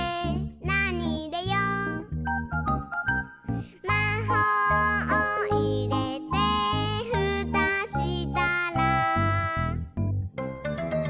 「なにいれよう？」「まほうをいれてふたしたら」